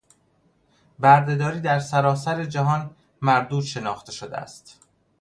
بردهداری در سراسر جهان مردود شناخته شده است.